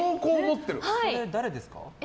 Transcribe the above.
それ、誰ですか？